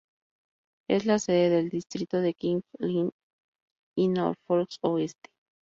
Es la sede del distrito de King's Lynn y Norfolk Oeste.